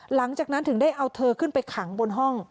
หลังจากนั้นถึงได้เอาเธอขึ้นไปขังบนห้อง